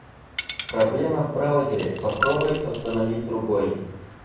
Проблема в браузере, попробой установить другой.